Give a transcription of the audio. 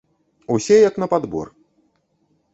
Усе як на падбор.